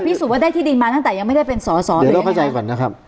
สูจนว่าได้ที่ดินมาตั้งแต่ยังไม่ได้เป็นสอสอเดี๋ยวเราเข้าใจก่อนนะครับ